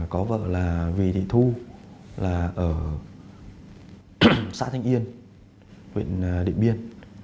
có vợ là vị thị thu là ở xã thanh yên huyện địa biên